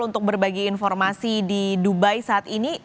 untuk berbagi informasi di dubai saat ini